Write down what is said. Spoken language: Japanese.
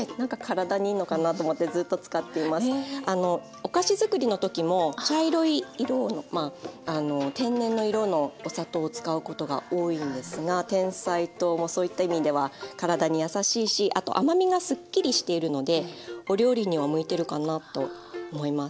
お菓子作りの時も茶色い色の天然の色のお砂糖を使うことが多いんですがてんさい糖もそういった意味では体に優しいしあと甘みがすっきりしているのでお料理には向いてるかなと思います。